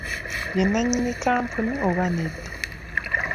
Ye nnannyini kkampuni oba nedda?